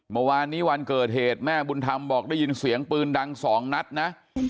เมื่อวานนี้วันเกิดเหตุแม่บุญธรรมบอกได้ยินเสียงปืนดังสองนัดนะ